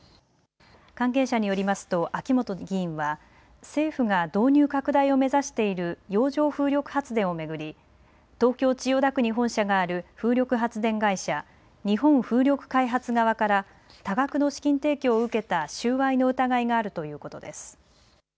関係者によりますと秋本議員は政府が導入拡大を目指している洋上風力発電を巡り東京・千代田区に本社がある風力発電会社日本風力開発側から多額の資金提供を受けた収賄の疑いがあるということです。